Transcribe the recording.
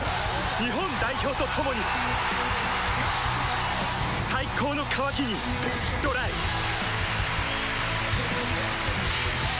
日本代表と共に最高の渇きにＤＲＹパパ。